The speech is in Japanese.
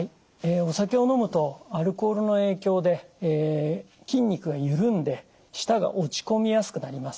お酒を飲むとアルコールの影響で筋肉がゆるんで舌が落ち込みやすくなります。